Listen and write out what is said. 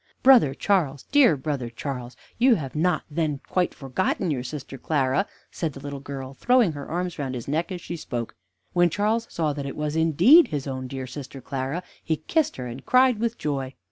"Brother Charles, dear brother Charles, you have not then quite forgotten your sister Clara," said the little girl, throwing her arms round his neck as she spoke. When Charles saw that it was, indeed, his own dear sister Clara, he kissed her and cried with joy.